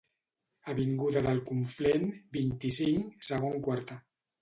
Avinguda del Conflent, vint-i-cinc, segon quarta.